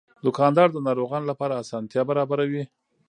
دوکاندار د ناروغانو لپاره اسانتیا برابروي.